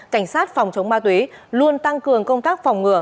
cảnh sát phòng chống ma túy luôn tăng cường công tác phòng ngừa